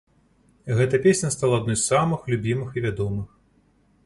Гэта песня стала адной з самых любімых і вядомых.